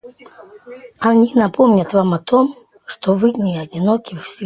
Они напомнят вам о том, что вы не одиноки во Вселенной.